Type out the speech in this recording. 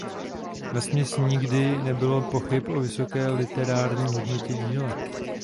Vesměs nikdy nebylo pochyb o vysoké literární hodnotě díla.